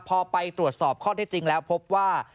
พอไปตรวจสอบข้อที่จริงแล้วพบว่า